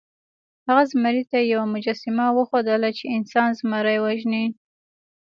هغه زمري ته یوه مجسمه وښودله چې انسان زمری وژني.